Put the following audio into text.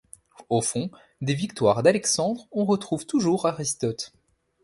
Au fond, des victoires d'Alexandre on retrouve toujours Aristote.